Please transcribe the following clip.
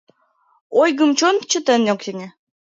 Ойгым чон чытен ок сеҥе